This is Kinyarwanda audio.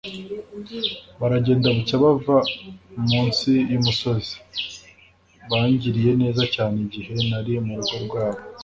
Baragenda bucya bava mu nsi y'umusozi. Bangiriye neza cyane igihe nari murugo rwabo.